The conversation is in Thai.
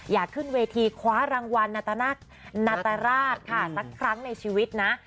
อยากขึ้นเวทีคว้ารางวัลนาตราชค่ะสักครั้งในชีวิตนะ